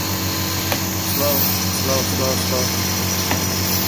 تا لای ئێوارە بیرم بە چارەنووسی ئەو خەریک بوو